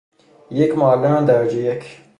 یک معلم درجه یک